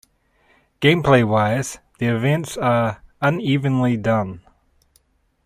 Gameplaywise, the events are unevenly done.